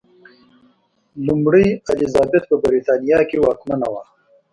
لومړۍ الیزابت په برېټانیا کې واکمنه وه.